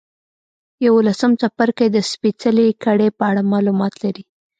یوولسم څپرکی د سپېڅلې کړۍ په اړه معلومات لري.